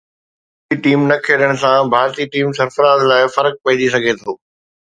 ڪوهلي جي نه کيڏڻ سان ڀارتي ٽيم سرفراز لاءِ فرق پئجي سگهي ٿو